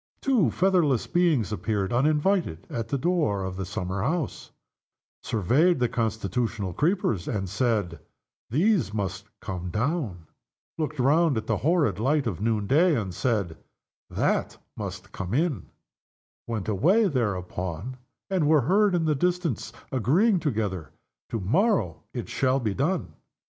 Two featherless beings appeared, uninvited, at the door of the summer house, surveyed the constitutional creepers, and said, "These must come down" looked around at the horrid light of noonday, and said, "That must come in" went away, thereupon, and were heard, in the distance, agreeing together, "To morrow it shall be done."